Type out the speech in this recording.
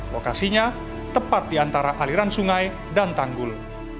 lokasinya tepat di antara aliran sungai dan tanggul